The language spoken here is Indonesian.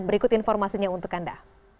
berikut informasinya untuk anda